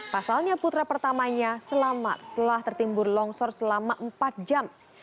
pasalnya putra pertamanya selamat setelah tertimbun longsor selama empat jam